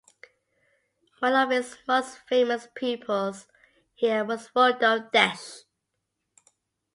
One of his most famous pupils here was Rudolf Desch.